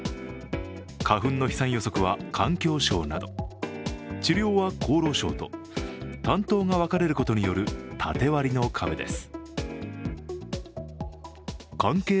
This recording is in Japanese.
花粉の飛散予測は環境省など治療は厚労省と担当が分かれることによる縦割りの壁です。